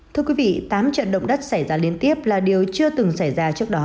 thưa quý vị tám trận động đất xảy ra liên tiếp là điều chưa từng xảy ra trước đó